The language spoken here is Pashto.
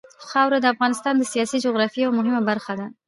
خاوره د افغانستان د سیاسي جغرافیه یوه مهمه برخه ده.